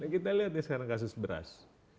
kita lihat nih sekarang kasus beras